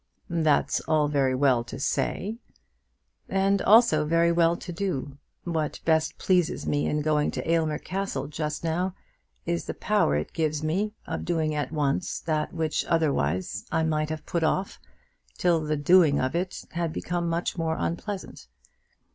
"That's all very well to say." "And also very well to do. What best pleases me in going to Aylmer Castle just now is the power it gives me of doing at once that which otherwise I might have put off till the doing of it had become much more unpleasant.